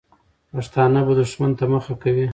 پښتانه به دښمن ته مخه کوي.